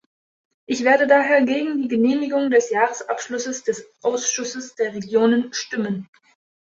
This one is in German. Ich werde daher gegen die Genehmigung des Jahresabschlusses des Ausschusses der Regionen stimmen.